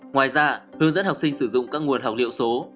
ngoài ra hướng dẫn học sinh sử dụng các nguồn học liệu số